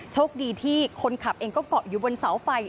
โชคดีที่คนขับเองก็เกาะอยู่บนเสาไฟ